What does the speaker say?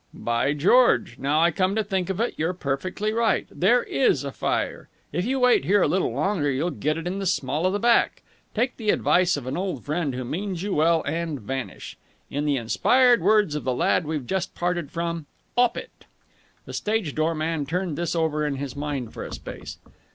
"By George! Now I come to think of it, you're perfectly right! There is a fire! If you wait here a little longer you'll get it in the small of the back. Take the advice of an old friend who means you well and vanish. In the inspired words of the lad we've just parted from, 'op it!" The stage door man turned this over in his mind for a space.